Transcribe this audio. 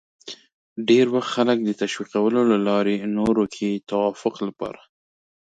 ډېری وخت خلک د تشویقولو له لارې نورو کې د توافق لپاره